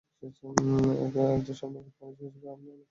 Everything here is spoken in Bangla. একজন স্বপ্নবাজ মানুষ হিসেবে আমিও অনেক স্বপ্ন নিয়ে বিদেশে পাড়ি জমিয়েছি।